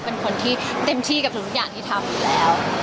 เป็นคนที่เต็มที่กับทุกอย่างที่ทำอยู่แล้ว